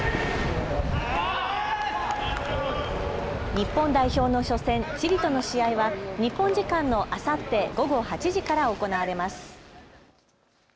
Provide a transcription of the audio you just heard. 日本代表の初戦、チリとの試合は日本時間のあさって午後８時から行われます。